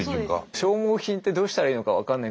消耗品ってどうしたらいいのか分かんない。